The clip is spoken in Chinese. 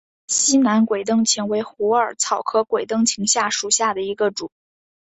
西南鬼灯檠为虎耳草科鬼灯檠属下的一个种。